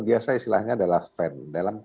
biasa istilahnya adalah fan dalam